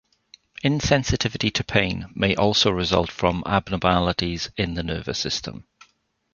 Insensitivity to pain may also result from abnormalities in the nervous system.